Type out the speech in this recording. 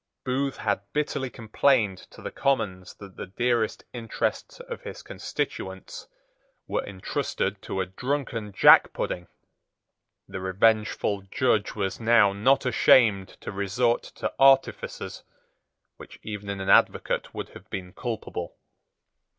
Booth had bitterly complained to the Commons that the dearest interests of his constituents were intrusted to a drunken jackpudding. The revengeful judge was now not ashamed to resort to artifices which even in an advocate would have been culpable.